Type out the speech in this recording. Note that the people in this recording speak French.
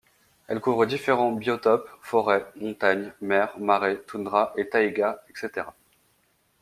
Elle couvre différents biotopes, forêts, montagnes, mer, marais, toundra et taïga, etc.